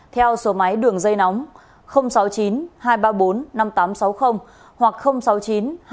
theo số máy đường dây nóng sáu mươi chín hai trăm ba mươi bốn năm nghìn tám trăm sáu mươi hoặc sáu mươi chín hai trăm ba mươi một hai nghìn sáu trăm